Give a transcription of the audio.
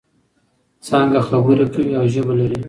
څانګه خبرې کوي او ژبه لري.